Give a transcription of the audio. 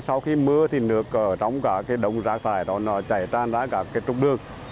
sau khi mưa thì nước ở trong cả cái đông rác thải nó chảy tràn ra cả cái trục đường